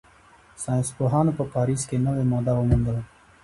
ساینسپوهانو په پاریس کې نوې ماده وموندله.